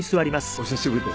お久しぶりです。